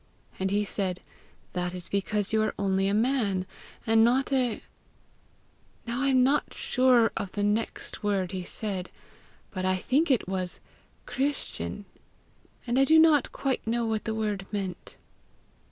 And he said, 'That is because you are only a man, and not a ' Now I am not sure of the word he said next; bat I think it was CHRISTIAN; and I do not quite know what the word meant."